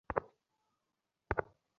অহ, তোমার বাসায় দেখছি ফায়ারপ্লেস আছে।